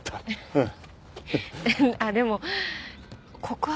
うん。